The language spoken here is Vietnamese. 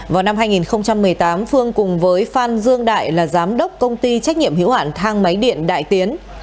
vào năm hai nghìn một mươi tám phương cùng với phan dương đại là giám đốc công ty trách nhiệm hiểu hạn thang máy điện đại tiến